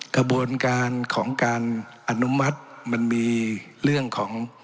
กระบวนการของการอนุมัติมันมีเรื่องของ